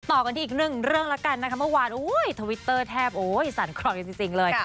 ต่อกันที่อีกหนึ่งเรื่องแล้วกันนะคะเมื่อวานทวิตเตอร์แทบโอ้ยสันครเลยจริงเลย